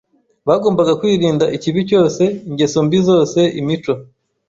bagombaga kwirinda ikibi cyose, ingeso mbi zose, imico